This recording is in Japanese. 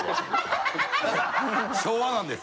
昭和なんです。